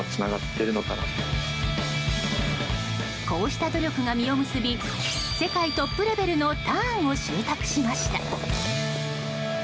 こうした努力が実を結び世界トップレベルのターンを習得しました。